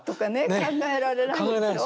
考えられないですよね。